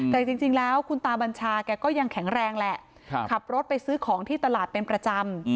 แต่จริงแล้วคุณตาบัญชาแกก็ยังแข็งแรงแหละขับรถไปซื้อของที่ตลาดเป็นประจำ